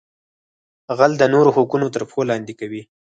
غل د نورو حقونه تر پښو لاندې کوي